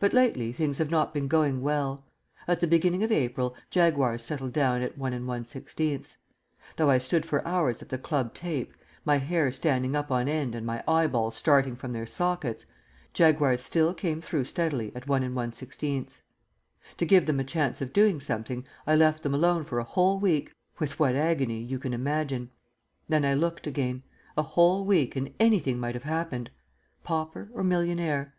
But lately things have not been going well. At the beginning of April Jaguars settled down at 1 1/16. Though I stood for hours at the club tape, my hair standing up on end and my eyeballs starting from their sockets, Jaguars still came through steadily at 1 1/16. To give them a chance of doing something, I left them alone for a whole week with what agony you can imagine. Then I looked again; a whole week and anything might have happened. Pauper or millionaire?